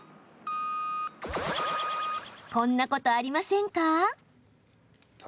こんなこと、ありませんか？